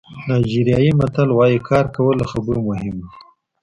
نایجیریايي متل وایي کار کول له خبرو مهم دي.